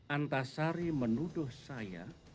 antasari menuduh saya sebagai inisialnya